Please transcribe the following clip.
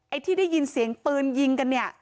ที่ได้ยินเสียงปืนยิงกันเนี่ย